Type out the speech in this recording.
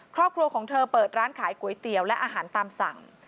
ครอบครัวของเธอเปิดร้านขายก๋วยเตี๋ยวและอาหารตามสั่ง